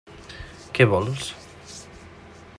Què vols?